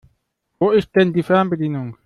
Wo ist denn die Fernbedienung?